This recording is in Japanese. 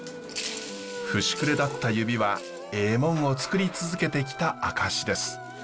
節くれだった指はえぇモンをつくり続けてきた証しです。